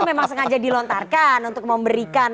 memang sengaja dilontarkan untuk memberikan